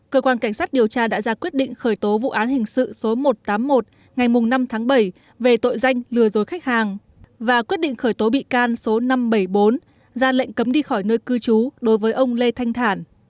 cơ quan cảnh sát điều tra đã ra quyết định khởi tố vụ án hình sự số một trăm tám mươi một ngày năm tháng bảy về tội danh lừa dối khách hàng và quyết định khởi tố bị can số năm trăm bảy mươi bốn ra lệnh cấm đi khỏi nơi cư trú đối với ông lê thanh thản